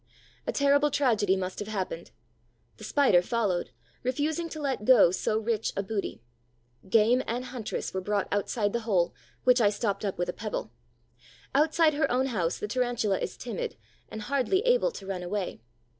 A terrible tragedy must have happened. The Spider followed, refusing to let go so rich a booty. Game and huntress were brought outside the hole, which I stopped up with a pebble. Outside her own house the Tarantula is timid and hardly able to run away.